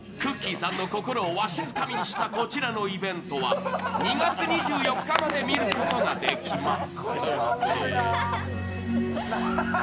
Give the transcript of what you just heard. さんの心をわしづかみにしたこちらのイベントは、２月２４日まで見ることができます。